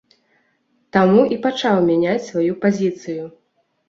Таму і пачаў мяняць сваю пазіцыю.